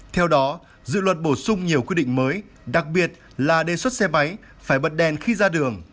theo đó dự luật bổ sung nhiều quy định mới đặc biệt là đề xuất xe máy phải bật đèn khi ra đường